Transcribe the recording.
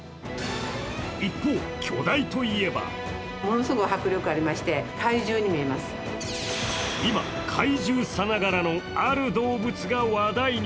一方、巨大といえば今、怪獣さながらのある動物が話題に。